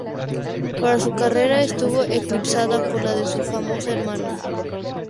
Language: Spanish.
Pero su carrera estuvo eclipsada por la de su famosa hermana.